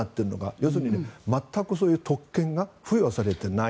要するに全くそういう特権が付与されていない。